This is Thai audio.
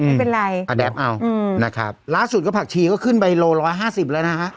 ไม่เป็นไรอ่าแดมเอานะครับล่าสุดก็ผักชีก็ขึ้นไปโลร้อยห้าสิบแล้วนะฮะ